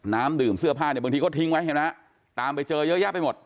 น้ำดื่มเสื้อผ้าเนี่ยบางทีก็ทิ้งไว้เห็นไหมฮะตามไปเจอเยอะแยะไปหมด